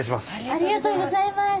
ありがとうございます。